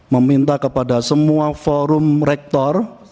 meminta kepada semua forum rektor